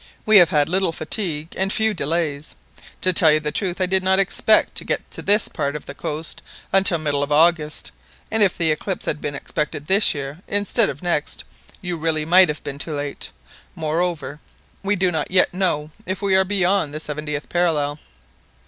We have had little fatigue and few delays. To tell you the truth, I did not expect to get to this part of the coast until the middle of August; and if the eclipse had been expected this year, instead of next; you really might have been too late. Moreover, we do not yet know if we are beyond the seventieth parallel."